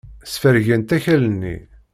Sfergent akal-nni.